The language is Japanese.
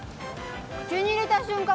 口に入れた瞬間